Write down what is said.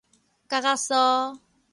角仔酥